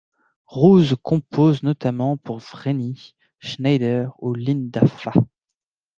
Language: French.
Roos compose notamment pour Vreni Schneider ou Linda Fäh.